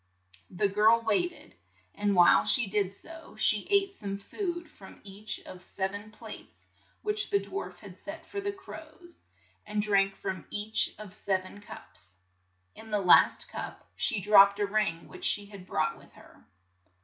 The girl wait ed, and while she did so, she ate some food from each of sev en plates which the dwarf had set for the crows, and drank from each of sev en cups. In the last cup she dropped a ring which she had brought with her.